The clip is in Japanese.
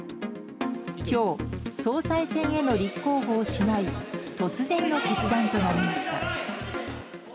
きょう、総裁選への立候補をしない突然の決断となりました。